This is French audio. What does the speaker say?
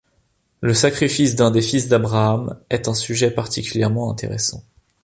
Le sacrifice d’un des fils d’Abraham est un sujet particulièrement intéressant.